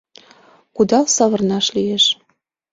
Кудал савырнаш лиеш.